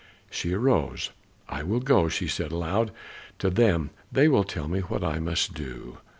She arose. "I will go," she said aloud, "to them; they will tell me what I must do."